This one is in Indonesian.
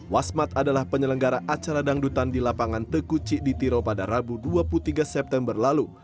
wasmat adalah penyelenggara acara dangdutan di lapangan tekuci di tiro pada rabu dua puluh tiga september lalu